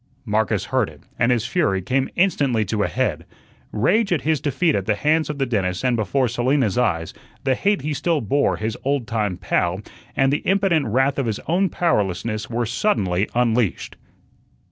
Marcus heard it, and his fury came instantly to a head. Rage at his defeat at the hands of the dentist and before Selina's eyes, the hate he still bore his old time "pal" and the impotent wrath of his own powerlessness were suddenly unleashed.